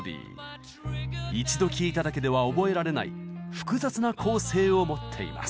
一度聴いただけでは覚えられない複雑な構成を持っています。